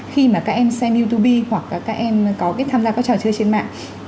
khi mà các em xem youtube hoặc các em có tham gia các trò chơi trên mạng